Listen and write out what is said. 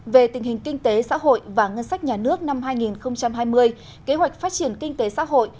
về tình hình kinh tế xã hội và ngân sách nhà nước năm hai nghìn hai mươi kế hoạch phát triển kinh tế xã hội